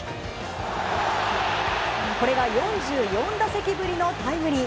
これが４４打席ぶりのタイムリー。